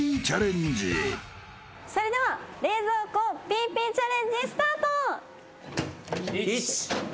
それでは冷蔵庫ピーピーチャレンジスタート！